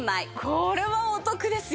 これはお得ですよ！